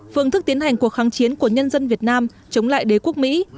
phương thức tiến hành cuộc kháng chiến của nhân dân việt nam chống lại đế quốc mỹ